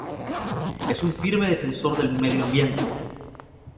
Es un firme defensor del medio ambiente.